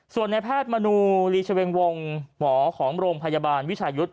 ส่วนในแพทย์มนูลีชเวงวงหมอของโรงพยาบาลวิชายุทธ์